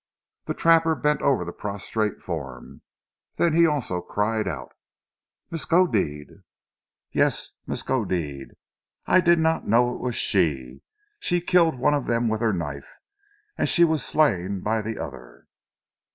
The trapper bent over the prostrate form, then he also cried out. "Miskodeed!" "Yes! Miskodeed. I did not know it was she! She killed one of them with her knife, and she was slain by the other."